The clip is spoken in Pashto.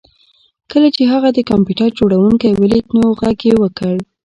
کله چې هغه د کمپیوټر جوړونکی ولید نو غږ یې وکړ